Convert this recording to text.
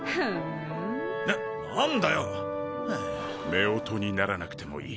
夫婦にならなくてもいい。